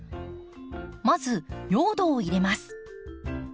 まず用土を入れます。